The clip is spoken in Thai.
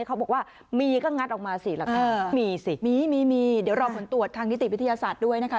เขาบอกว่ามีก็งัดออกมาสิแล้วก็มีสิมีมีเดี๋ยวรอผลตรวจทางนิติวิทยาศาสตร์ด้วยนะคะ